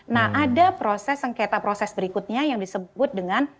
nah ada proses sengketa proses berikutnya yang disebut dengan